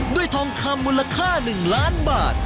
ทองคำมูลค่า๑ล้านบาท